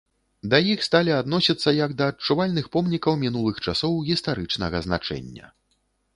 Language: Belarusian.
Да іх сталі адносіцца як да адчувальных помнікаў мінулых часоў гістарычнага значэння.